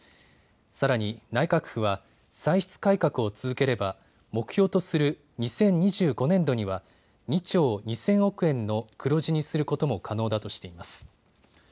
さらに内閣府は歳出改革を続ければ目標とする２０２５年度には２兆２０００億円の黒字にすることも可能だとしています。